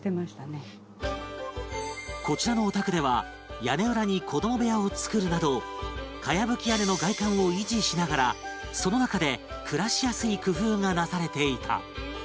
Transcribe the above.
こちらのお宅では屋根裏に子ども部屋を作るなど茅葺き屋根の外観を維持しながらその中で暮らしやすい工夫がなされていた